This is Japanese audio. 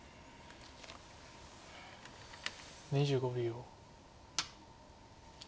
２５秒。